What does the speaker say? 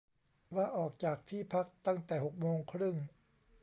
ว่าออกจากที่พักตั้งแต่หกโมงครึ่ง